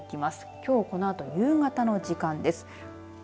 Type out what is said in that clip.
きょうこのあと夕方の時間帯です。